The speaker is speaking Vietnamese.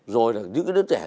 rồi là những cái đứa trẻ